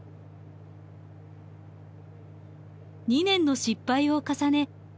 ２年の失敗を重ね